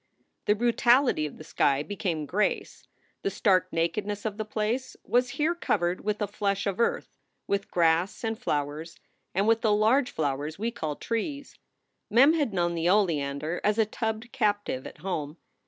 The brutality of the sky became grace; the stark nakedness of the place was here covered with a flesh of earth, with grass and flowers, and with the larger flowers we call trees. Mem had known the oleander as a tubbed captive at home.